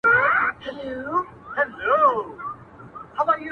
یوه ورځ یې وو مېړه ستړی راغلی -